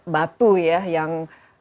batu ya yang